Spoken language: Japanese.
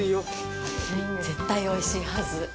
絶対、おいしいはず！